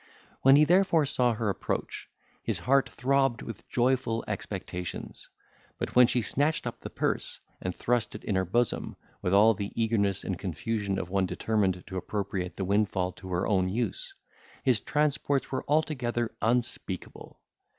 When he, therefore, saw her approach, his heart throbbed with joyful expectations; but, when she snatched up the purse, and thrust it in her bosom, with all the eagerness and confusion of one determined to appropriate the windfall to her own use, his transports were altogether unspeakable.